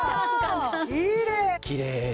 きれいに。